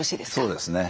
そうですね。